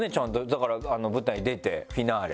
だから舞台に出てフィナーレ。